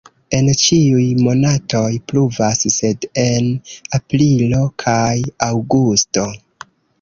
En ĉiuj monatoj pluvas, sed en aprilo kaj aŭgusto.